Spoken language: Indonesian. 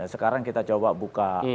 sekarang kita coba buka